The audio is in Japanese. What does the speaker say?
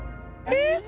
えっ？